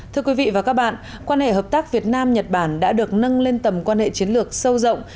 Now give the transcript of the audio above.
thưa quý vị và các bạn quan hệ hợp tác việt nam nhật bản đã được nâng lên tầm quan hệ chiến lược sâu rộng